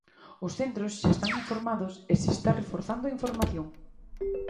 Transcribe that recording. Os centros xa están informados e se está reforzando a información.